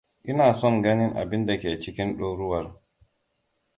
Ina son ganin abin da ke cikin durowar.